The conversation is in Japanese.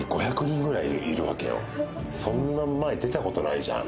そんな前出たことないじゃん。